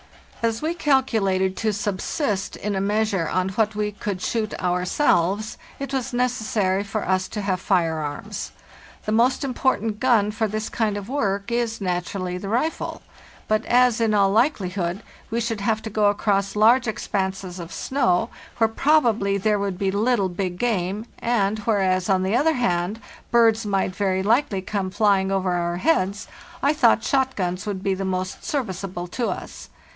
As we calculated to subsist, in a measure, on what we could shoot ourselves, it was necessary for us to have firearms. The most important gaz for this kind of work is, naturally, the rifle; but as, in all likelihood, we should have to go across large expanses of snow, where probably there would be little big game, and whereas, on the other hand, birds might very likely come flying over our heads, I thought shot guns would be the most ser viceable to us.